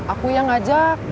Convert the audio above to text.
aku yang ngajak